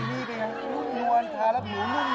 นี่นี่เป็นยังไงนุ่มนวลทารับหูนุ่มนวล